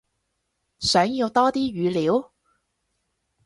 想要多啲語料？